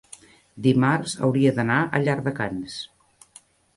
dimarts hauria d'anar a Llardecans.